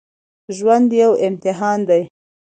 ژوند يو امتحان دی